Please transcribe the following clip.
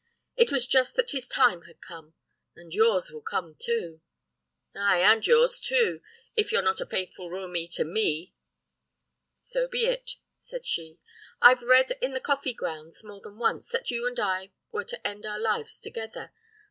It was just that his time had come and yours will come too.' "'Ay, and yours too! if you're not a faithful romi to me.' "'So be it,' said she. 'I've read in the coffee grounds, more than once, that you and I were to end our lives together.